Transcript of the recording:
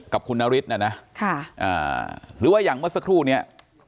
กับคุณนฤทธิ์นะนะหรือว่าอย่างเมื่อสักครู่เนี่ย